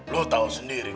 lu tawar sendiri